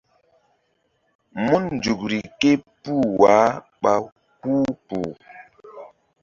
Mun nzukri ké puh wah ɓa huh kpuh.